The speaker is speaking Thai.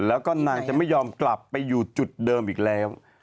แล้วก็นางจะไม่ยอมกลับไปอยู่จุดเดิมอีกแล้ว